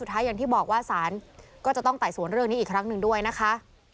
ท้ายอย่างที่บอกว่าสารก็จะต้องไต่สวนเรื่องนี้อีกครั้งหนึ่งด้วยนะคะ